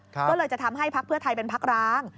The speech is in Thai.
ก็เลยจะทำให้พักเพื่อไทยเป็นพักร้าง